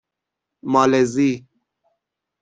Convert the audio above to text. مالزی